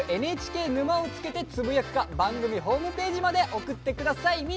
「＃ＮＨＫ沼」をつけてつぶやくか番組ホームページまで送って下さい。